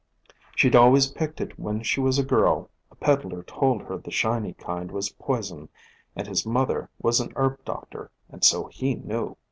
She 'd always picked it when she was a girl; a peddler told her the shiny kind was poison, and his mother was an herb doctor, and so he knew.